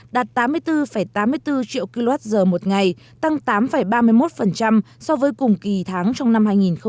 đạt tám mươi bốn tám mươi bốn triệu kwh một ngày tăng tám ba mươi một so với cùng kỳ tháng trong năm